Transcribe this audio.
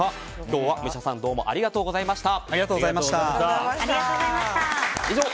今日は武者さんどうもありがとうございました。